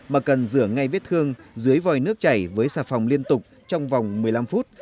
mà cần rửa ngay vết thương dưới vòi nước chảy với xà phòng liên tục trong vòng một mươi năm phút